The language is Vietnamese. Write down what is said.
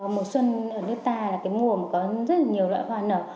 mùa xuân ở nước ta là mùa có rất nhiều loại hoa nở